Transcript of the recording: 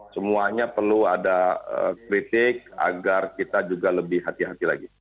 semuanya perlu ada kritik agar kita juga lebih hati hati lagi